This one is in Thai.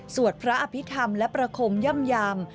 สวดพระอภิษฐรรมและประคมย่ำยาม